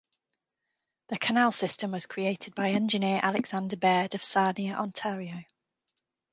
The canal system was created by engineer Alexander Baird of Sarnia, Ontario.